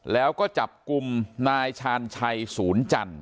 แล้วก็จับกลุ่มนายชาญชัยศูนย์จันท